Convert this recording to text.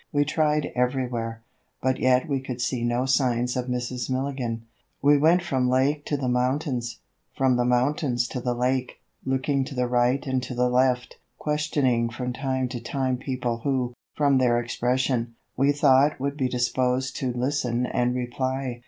We tried everywhere, but yet we could see no signs of Mrs. Milligan. We went from the lake to the mountains, from the mountains to the lake, looking to the right and to the left, questioning from time to time people who, from their expression, we thought would be disposed to listen and reply.